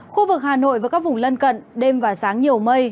khu vực hà nội và các vùng lân cận đêm và sáng nhiều mây